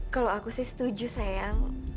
kalau aku sih setuju sayang